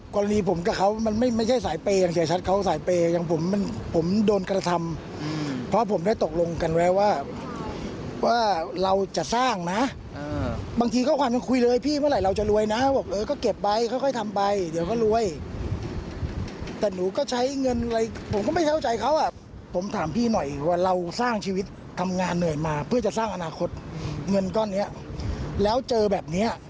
กรณีผมกับเขามันไม่ใช่สายเปย์อย่างเสียชัดเขาสายเปย์อย่างผมมันผมโดนกระทำเพราะผมได้ตกลงกันไว้ว่าว่าเราจะสร้างนะบางทีข้อความยังคุยเลยพี่เมื่อไหร่เราจะรวยนะบอกเออก็เก็บไปค่อยทำไปเดี๋ยวก็รวยแต่หนูก็ใช้เงินอะไรผมก็ไม่เข้าใจเขาอ่ะผมถามพี่หน่อยว่าเราสร้างชีวิตทำงานเหนื่อยมาเพื่อจะสร้างอนาคตเงินก้อนเนี้ยแล้วเจอแบบเนี้ย